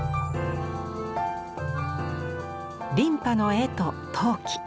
琳派の絵と陶器。